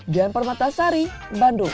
jan permatasari bandung